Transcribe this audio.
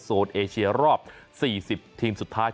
เอเชียรอบ๔๐ทีมสุดท้าย